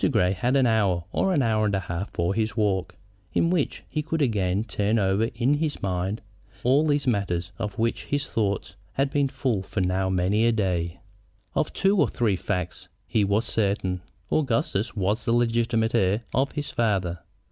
Grey had an hour or an hour and a half for his walk, in which he could again turn over in his mind all these matters of which his thoughts had been full for now many a day. Of two or three facts he was certain. Augustus was the legitimate heir of his father.